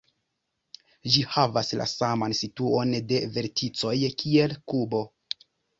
Ĝi havas la saman situon de verticoj kiel kubo.